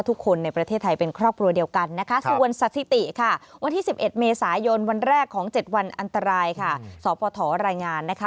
ทุกคนต้องมีจิตสำนึกนะครับ